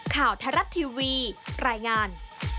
ข่าวไทยรัฐทีวีรายงาน